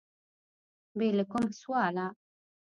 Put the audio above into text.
بې له کوم سواله